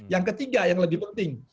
yang ketiga yang lebih penting